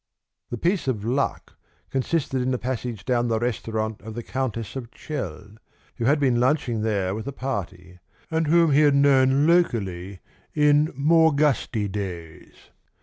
The piece of luck consisted in the passage down the restaurant of the Countess of Chell, who had been lunching there with a party, and whom he had known locally in more gusty days.